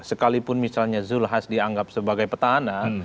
sekalipun misalnya zulkifli hasan dianggap sebagai petahana